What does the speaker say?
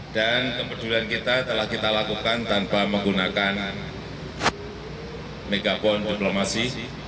dan kepedulian kita telah kita lakukan tanpa menggunakan megapon diplomasi